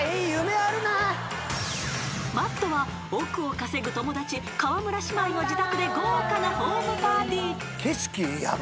［Ｍａｔｔは億を稼ぐ友達河村姉妹の自宅で豪華なホームパーティー］